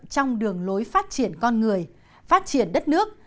trong đường lối phát triển con người phát triển đất nước